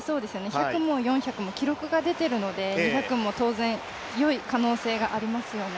１００も４００も記録が出てるので、２００も当然よい可能性がありますよね。